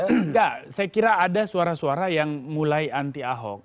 enggak saya kira ada suara suara yang mulai anti ahok